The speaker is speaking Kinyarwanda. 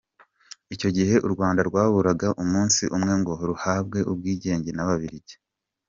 Icyo gihe u Rwanda rwaburaga umunsi umwe ngo ruhabwe ubwigenge n’Ababiligi.